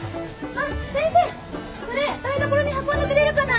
あっ先生それ台所に運んでくれるかな。